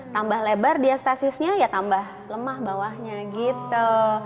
tambah lebar diastasisnya ya tambah lemah bawahnya gitu